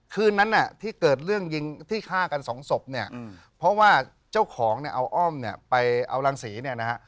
คืนนั้นที่เกิดเรื่องยิงที่ฆ่ากันสองศพเนี่ยเพราะว่าเจ้าของเนี่ยเอาอ้อมเนี่ยไปเอารังศรีเนี่ยนะฮะ